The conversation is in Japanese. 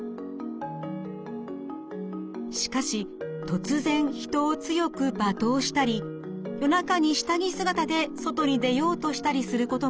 しかし突然人を強く罵倒したり夜中に下着姿で外に出ようとしたりすることがあります。